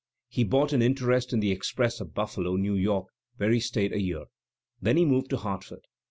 He bought an interest in the Express of Buffalo, New York, where he stayed a year. Then he moved to Hartford.